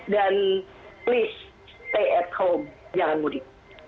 dan please stay at home jangan mudik